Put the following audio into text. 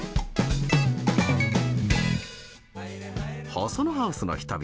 「細野ハウスの人々」。